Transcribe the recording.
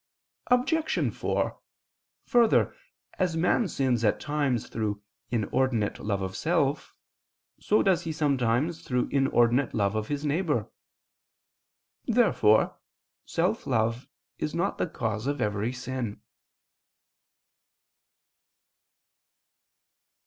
Obj. 4: Further, as man sins at times through inordinate love of self, so does he sometimes through inordinate love of his neighbor. Therefore self love is not the cause of every sin.